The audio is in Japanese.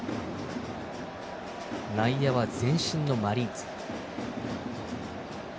内野は前進のマリーンズ。